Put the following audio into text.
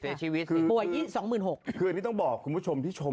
เสียชีวิตคือป่วยยิ่งสองหมื่นหกคืออันนี้ต้องบอกคุณผู้ชมที่ชม